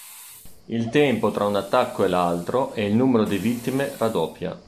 Il tempo tra un attacco e l'altro e il numero di vittime raddoppia.